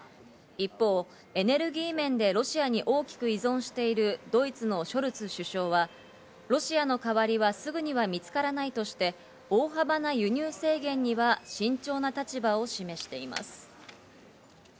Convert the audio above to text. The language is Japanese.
一方、エネルギー面でロシアに大きく依存しているドイツのショルツ首相は、ロシアの代わりはすぐには見つからないとして大幅な輸入制限には慎重な立場を示しています。